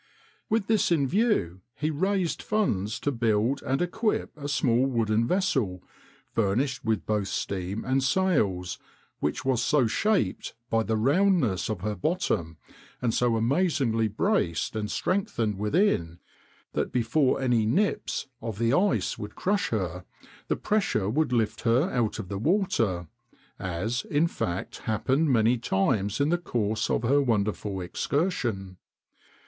With this in view, he raised funds to build and equip a small wooden vessel, furnished with both steam and sails, which was so shaped by the roundness of her bottom, and so amazingly braced and strengthened within, that before any "nips" of the ice would crush her, the pressure would lift her out of water—as, in fact, happened many times in the course of her wonderful excursion.